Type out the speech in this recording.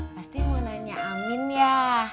pasti mau nanya amin ya